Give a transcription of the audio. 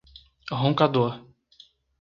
Roncador